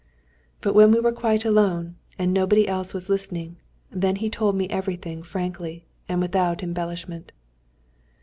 But when we were quite alone, and nobody else was listening, then he told me everything frankly, and without embellishment.